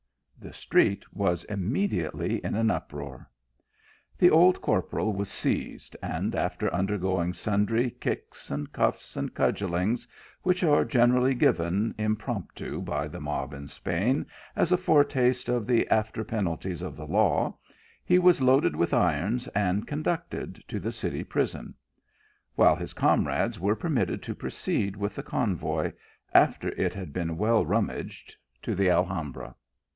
The street was immediately in an uproar. The old corporal was seized, and after undergoing sundry kicks and cuffs, and cudgellings, which are generally given impromptu, by the mob in Spain, as a fore taste of the after penalties of the law, he was loaded 816 THE ALIIAMBRA. with irons, and conducted to the city prison ; while his comrades were permitted to proceed with the convoy, after it had been well rummaged, to the Alhambra.